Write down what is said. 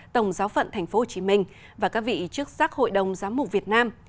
tổng giáo phận tp hcm và các vị chức sắc hội đồng giám mục việt nam